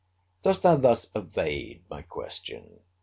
Dost thou thus evade my question?